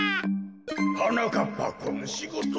はなかっぱくんしごとは？